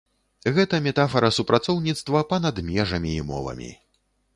Гэта метафара супрацоўніцтва па-над межамі і мовамі.